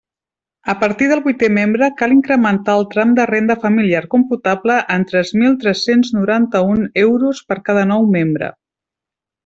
A partir del vuitè membre cal incrementar el tram de renda familiar computable en tres mil tres-cents noranta-un euros per cada nou membre.